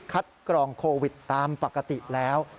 กรองโควิดตามปกติแล้ว